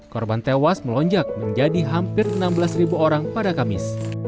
korban tewas melonjak menjadi hampir enam belas orang pada kamis